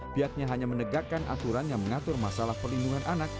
biadanya hanya menegakkan aturan yang mengatur masalah pelindungan anak